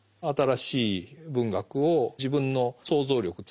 新しい文学を自分の想像力